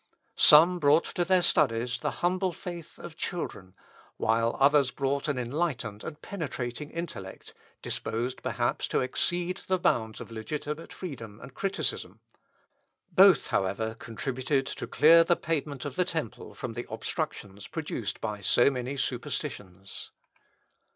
Some brought to their studies the humble faith of children, while others brought an enlightened and penetrating intellect, disposed, perhaps, to exceed the bounds of legitimate freedom and criticism; both, however, contributed to clear the pavement of the temple from the obstructions produced by so many superstitions.